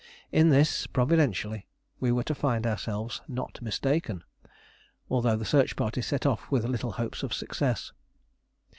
In this, providentially, we were to find ourselves not mistaken, although the search party set off with little hopes of success.